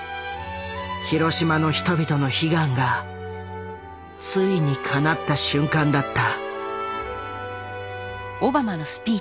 広島の人々の悲願がついにかなった瞬間だった。